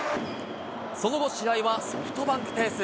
その後、試合はソフトバンクペース。